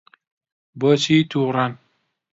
بۆچی تووڕەن؟